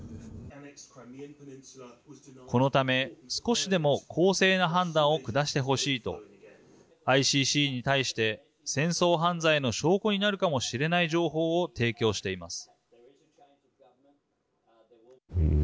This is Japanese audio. このため、少しでも公正な判断を下してほしいとＩＣＣに対して戦争犯罪の証拠になるかもしれない情報を提供しています。